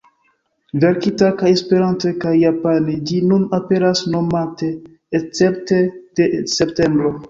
Verkita kaj Esperante kaj Japane ĝi nun aperas monate escepte de septembro.